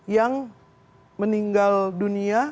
yang meninggal dunia